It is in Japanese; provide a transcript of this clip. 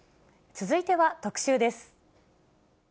続いては特集です。